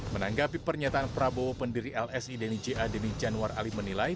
menanggapi pernyataan prabowo pendiri lsi denny ja denny januar ali menilai